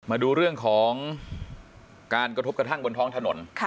มาดูเรื่องของการกระทบกระทั่งบนท้องถนน